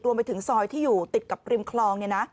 รวมถึงซอยที่ติดกับกลิ่มคลอง